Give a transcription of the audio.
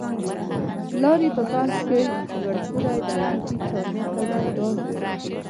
پلار یې په پوځ کې لوړ پوړی دولتي چارواکی جنرال و.